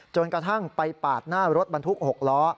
จนกระทั่งไปปาดหน้ารถบรรทุก๖ล้อ